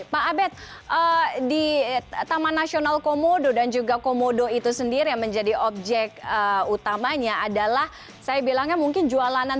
pak abed di taman nasional komodo dan juga komodo itu sendiri yang menjadi objek utamanya adalah saya bilangnya mungkin jualan